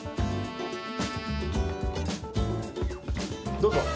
どうぞ。